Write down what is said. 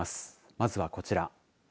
まずはこちら。